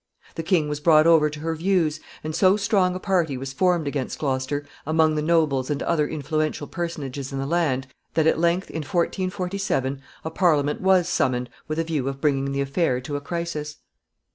The king was brought over to her views, and so strong a party was formed against Gloucester among the nobles and other influential personages in the land, that at length, in 1447, a Parliament was summoned with a view of bringing the affair to a crisis.